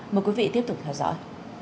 mời quý vị tiếp tục theo dõi